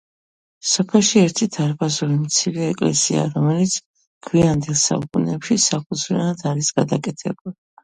სოფელში ერთი დარბაზული მცირე ეკლესიაა, რომელიც გვიანდელ საუკუნეებში საფუძვლიანად არის გადაკეთებული.